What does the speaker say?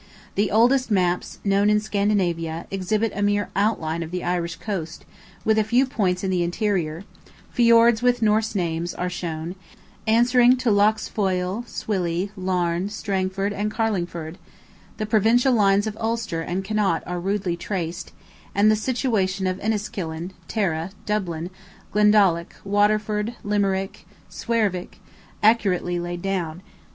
The oldest maps, known in Scandinavia, exhibit a mere outline of the Irish coast, with a few points in the interior; fiords, with Norse names, are shown, answering to Loughs Foyle, Swilly, Larne, Strang_ford_, and Carling_ford_; the Provincial lines of Ulster and of Connaught are rudely traced; and the situation of Enniskillen, Tara, Dublin, Glendaloch, Water_ford_, Limer_ick_, and Swer_wick_, accurately laid down.